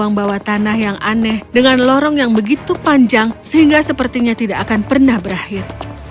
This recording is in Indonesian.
dan kemudian kurcaci itu menemukan tanah yang aneh dengan lorong yang begitu panjang sehingga sepertinya tidak akan pernah berakhir